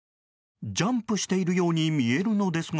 ジャンプしているように見えるのですが。